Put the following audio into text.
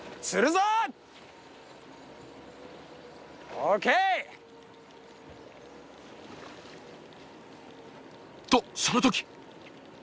オーケー！とその時！